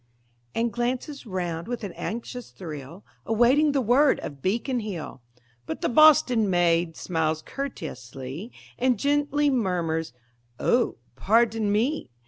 And glances round with an anxious thrill, Awaiting the word of Beacon Hill. But the Boston maid smiles courteouslee And gently murmurs: "Oh, pardon me!